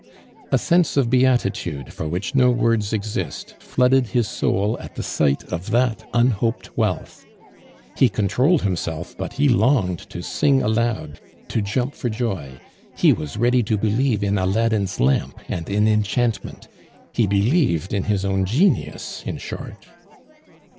A sense of beatitude, for which no words exist, flooded his soul at the sight of that unhoped wealth. He controlled himself, but he longed to sing aloud, to jump for joy; he was ready to believe in Aladdin's lamp and in enchantment; he believed in his own genius, in short.